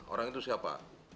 orang itu siapa